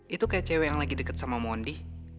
itu kayak cewek yang lagi dekat sama mondi